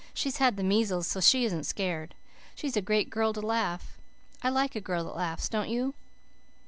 She's had the measles so she isn't scared. She's a great girl to laugh. I like a girl that laughs, don't you?